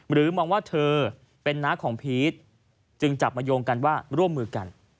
มองว่าเธอเป็นน้าของพีชจึงจับมาโยงกันว่าร่วมมือกัน